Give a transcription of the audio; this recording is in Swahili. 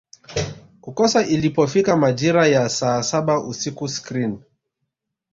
kukosa ilipofika majira ya saa saba usiku screen